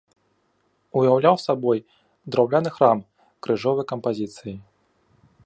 Уяўляў сабой драўляны храм крыжовай кампазіцыі.